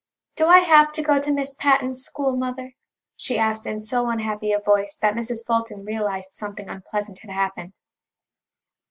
"Do I have to go to Miss Patten's school, Mother?" she asked in so unhappy a voice that Mrs. Fulton realized something unpleasant had happened.